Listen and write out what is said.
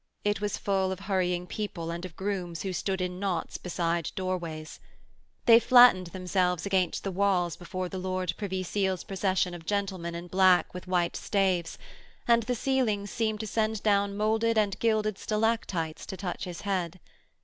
It was full of hurrying people and of grooms who stood in knots beside doorways. They flattened themselves against the walls before the Lord Privy Seal's procession of gentlemen in black with white staves, and the ceilings seemed to send down moulded and gilded stalactites to touch his head.